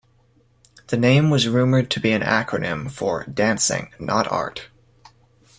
The name was rumored to be an acronym for "dancing, not art".